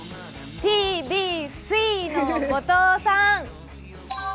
ＴＢＣの後藤さん！